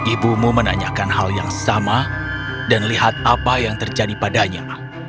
ibumu menanyakan hal yang sama dan lihat apa yang terjadi padanya